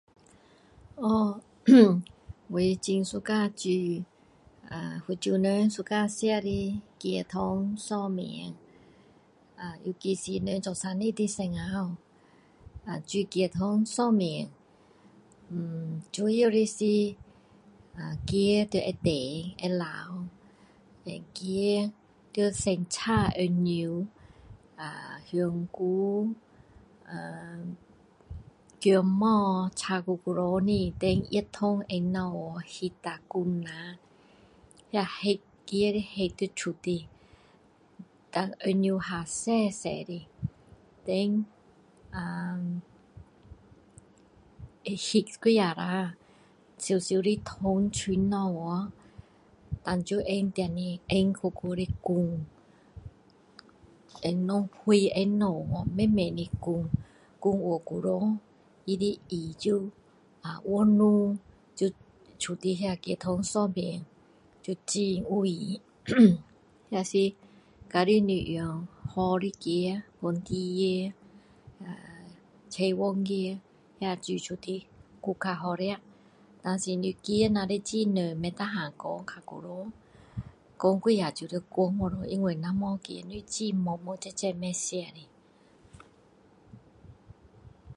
哦，【erm】我很喜欢煮啊福州人喜欢吃的鸡汤寿面，啊，尤其是人做生日的时候，煮鸡汤寿面，【erm】主要的是鸡要会硬，会老，鸡要先炒红酒，啊香菇，啊姜母炒久久的，【dan】热汤放下去焖下滚下，那血鸡的血要出来，但红酒下多多的【dan】，啊，焖几下啦，烧烧的汤冲下去，当就放下去在锅锅里滚，放小火放小【wu】，慢慢的滚，滚越久长它的味越浓，出的那鸡汤寿面会很有味，【erm】要是假如你用好的鸡，本地鸡，菜园鸡那煮出的更加好吃，要是你鸡很软不大耐烫较久长，烫几下就要关掉了，因为不然鸡肉很软模模汁汁的不吃的